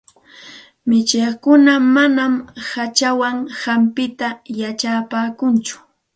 Mishtikuna manam hachawan hampita yachapaakunchu.